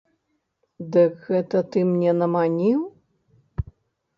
Дык гэта ты мне наманіў?